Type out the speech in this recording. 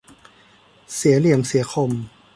เสียเหลี่ยมเสียคม